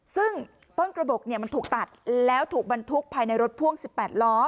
ซึ่งต้นกระบบมันถูกตัดแล้วถูกบรรทุกภายในรถพ่วง๑๘ล้อ